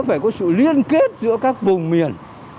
phải có sự liên kết giữa các vùng miền